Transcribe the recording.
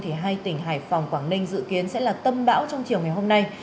hôm nay tỉnh hải phòng quảng ninh dự kiến sẽ là tâm bão trong chiều ngày hôm nay